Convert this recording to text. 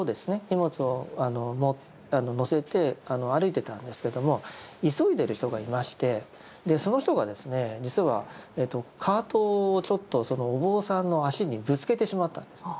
荷物を載せて歩いてたんですけども急いでる人がいましてその人がですね実はカートをちょっとお坊さんの足にぶつけてしまったんです。